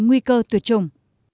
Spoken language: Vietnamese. nguy cơ tuyệt chủng